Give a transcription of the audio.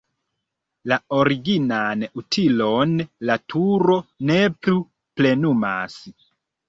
La originan utilon la turo ne plu plenumas.